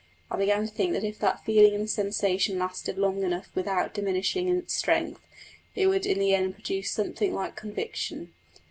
I began to think that if that feeling and sensation lasted long enough without diminishing its strength, it would in the end produce something like conviction.